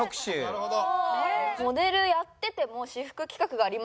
なるほど。